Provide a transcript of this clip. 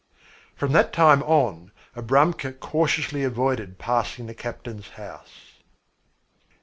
From that time on Abramka cautiously avoided passing the captain's house.